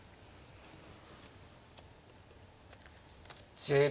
１０秒。